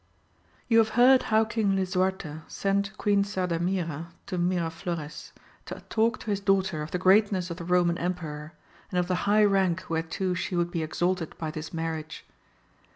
OU have heard how King Lisuarte sent Queen Sardamu^a to Miraflores to talk to his daughter of the greatness of the Eoman Emperor, and the high rank whereto she would be exalted by this marriage.